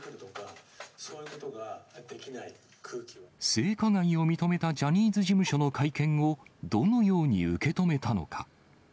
性加害を認めたジャニーズ事務所の会見を、どのように受け止めたのか。